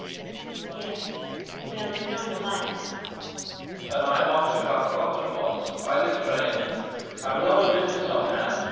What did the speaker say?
Yes, there'll be no more life in this house.... LOPAKHIN. And I'm off to Kharkov at once... by this train. I've a lot of business on hand.